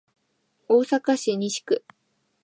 大阪市西区